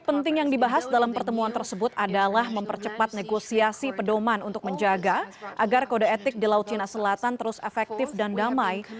yang penting yang dibahas dalam pertemuan tersebut adalah mempercepat negosiasi pedoman untuk menjaga agar kode etik di laut cina selatan terus efektif dan damai